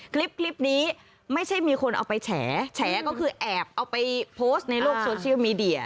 คลิปนี้ไม่ใช่มีคนเอาไปแฉก็คือแอบเอาไปโพสต์ในโลกโซเชียลมีเดีย